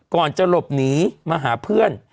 ก่อนจะหลบหนีมาหาเพื่อน